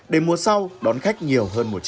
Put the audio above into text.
để mùa sau đón khách nhiều hơn mùa trước